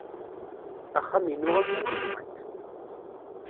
Axxam-inu am win-nwent.